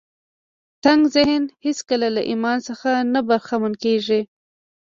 تنګ ذهن هېڅکله له ايمان څخه نه برخمن کېږي.